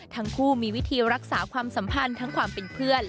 ทั้งคู่มีวิธีรักษาความสัมพันธ์ทั้งความเป็นเพื่อน